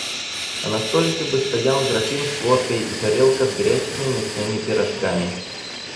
А на столике бы стоял графин с водкой и тарелка с горячими мясными пирожками.